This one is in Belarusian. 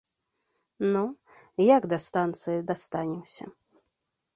Ну, як да станцыі дастанемся?